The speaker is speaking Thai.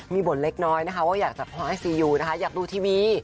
มีบ่นเล็กน้อยนะคะว่าอยากจะพลอยไอซียูนะคะอยากดูทีวี